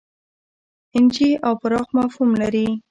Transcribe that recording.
اېن جي او پراخ مفهوم لري.